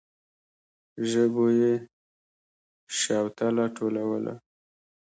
ژبو يې شوتله ټولوله.